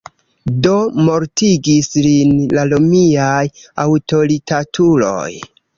Do mortigis lin la romiaj aŭtoritatuloj.